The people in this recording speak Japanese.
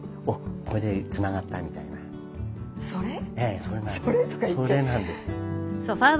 ええそれなんです。